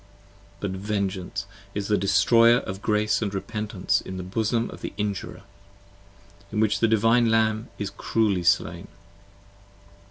10 But Vengeance is the destroyer of Grace & Repentence in the bosom Of the Injurer: in which the Divine Lamb is cruelly slain!